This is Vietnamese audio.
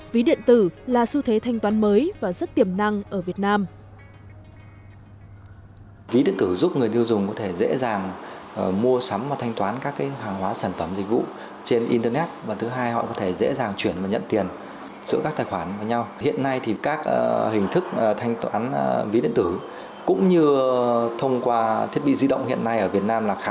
ví điện tử là xu thế thanh toán mới và rất tiềm năng ở việt nam